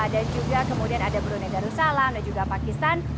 dan juga kemudian ada brunei darussalam dan juga pakistan